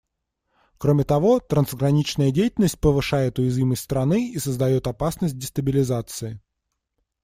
Кроме того, трансграничная деятельность повышает уязвимость страны и создает опасность дестабилизации.